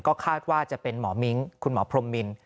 ก็คาดว่าจะเป็นหมอมิ้งคุณหมอพรมมิน